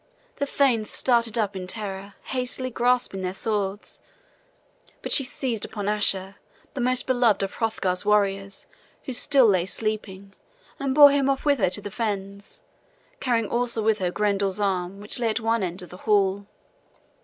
The thanes started up in terror, hastily grasping their swords; but she seized upon Asher, the most beloved of Hrothgar's warriors, who still lay sleeping, and bore him off with her to the fens, carrying also with her Grendel's arm, which lay at one end of the hall.